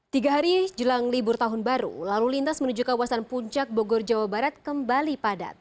tiga hari jelang libur tahun baru lalu lintas menuju kawasan puncak bogor jawa barat kembali padat